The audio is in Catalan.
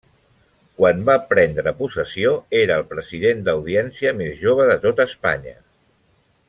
Quan va prendre possessió, era el president d'Audiència més jove de tot Espanya.